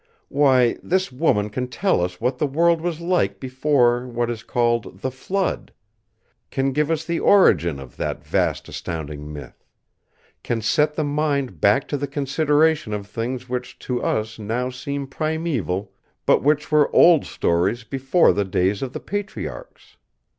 Why, this woman can tell us what the world was like before what is called 'the Flood'; can give us the origin of that vast astounding myth; can set the mind back to the consideration of things which to us now seem primeval, but which were old stories before the days of the Patriarchs.